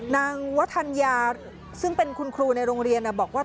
นางวธัญญาซึ่งเป็นคุณครูในโรงเรียนบอกว่า